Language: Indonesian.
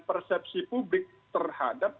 persepsi publik terhadap